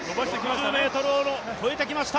６０ｍを越えてきました。